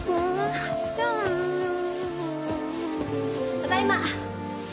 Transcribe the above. ただいま。